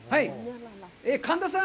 神田さん！